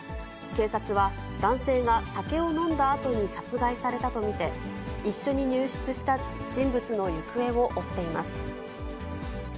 警察は男性が酒を飲んだあとに殺害されたと見て、一緒に入室した人物の行方を追っています。